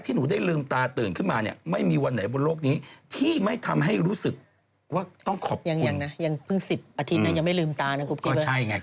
พี่ยุ่มถ้าสมมุติว่ามาอยู่จะ๒๐